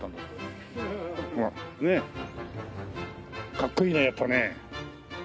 かっこいいねやっぱね。